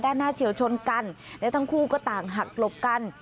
ด้านหน้าเฉียวชนกันและทั้งคู่ก็ต่างหักหลบกัน